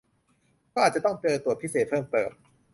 ก็อาจจะต้องตรวจพิเศษเพิ่มเติม